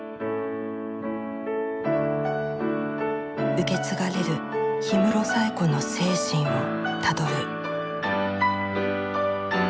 受け継がれる氷室冴子の精神をたどる。